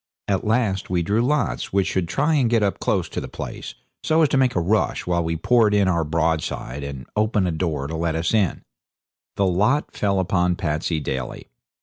At last we drew lots which should try and get up close to the place, so as to make a rush while we poured in our broadside and open a door to let us in. The lot fell upon Patsey Daly.